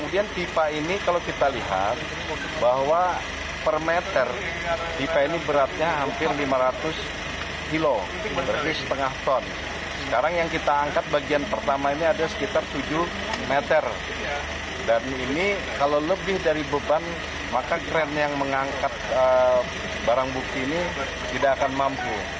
dan ini kalau lebih dari beban maka crane yang mengangkat barang bukti ini tidak akan mampu